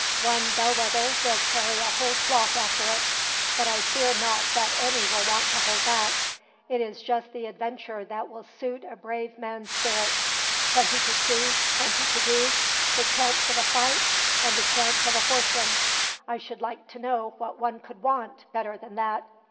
One bellwether will carry a whole flock after it, but I fear not that any will want to hold back. It is just the adventure that will suit a brave man's spirit plenty to see, plenty to do, the chance of a fight, and the chance of a fortune. I should like to know what one could want, better than that.